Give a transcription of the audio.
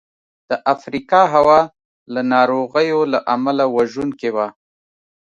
د افریقا هوا له ناروغیو له امله وژونکې وه.